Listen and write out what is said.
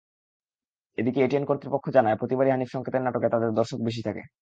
এদিকে এটিএন কর্তৃপক্ষ জানায়, প্রতিবারই হানিফ সংকেতের নাটকে তাদের দর্শক থাকে বেশি।